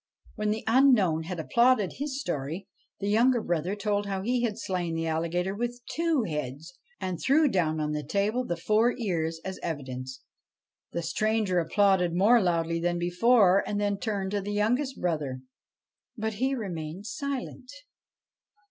When the unknown had applauded his story the younger brother told how he had slain the alligator with two heads, and threw down on the table the four ears as evidence. The stranger applauded more loudly than before, and then turned to the youngest brother ; but he remained silent.